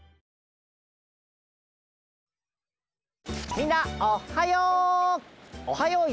みんなおはよう！